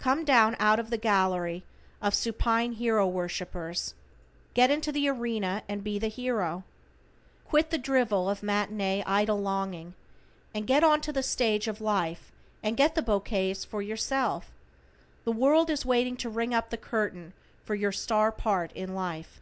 Come down out of the gallery of supine hero worshippers, get into the arena and be the hero. Quit the drivel of matinee idol longing, and get onto the stage of life and get the bouquets for yourself. The world is waiting to ring up the curtain for your star part in life.